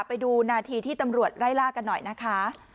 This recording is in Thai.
ไปดูนาทีที่ตำรวจไล่ล่ากันหน่อยนะคะ